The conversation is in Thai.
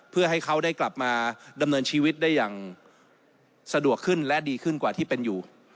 เพื่อให้เขาได้กลับมาดำเนินชีวิตได้อย่างสะดวกขึ้นและดีขึ้นกว่าที่เป็นอยู่